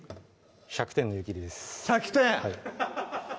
１００点の湯切りです１００点！